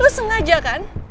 lo sengaja kan